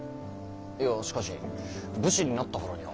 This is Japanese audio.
いやしかし武士になったからには。